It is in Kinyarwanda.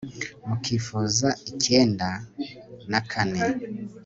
mukifuza icyenda na kane